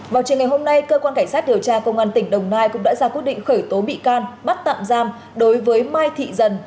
vào chiều ngày hôm nay cơ quan cảnh sát điều tra công an tỉnh đồng nai cũng đã ra quyết định khởi tố bị can bắt tạm giam đối với mai thị dần